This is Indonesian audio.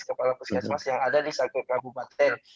kepala puskesmas yang ada di satu kabupaten